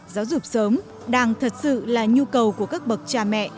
giáo dục sớm đang thật sự là nhu cầu của các bậc cha mẹ